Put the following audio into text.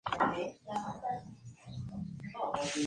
Se llama así por el río Mura, que la separa del resto de Eslovenia.